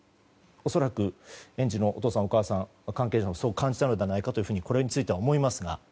恐らく園児のお父さん、お母さん関係者もそう感じたのではないかとこれについては思いますが。